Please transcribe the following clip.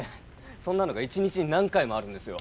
そんなのが一日に何回もあるんですよ。